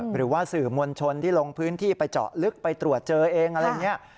หรือว่าสื่อมวลชนที่ลงพื้นที่ไปเจาะลึกไปตรวจเจอเองอะไรอย่างนี้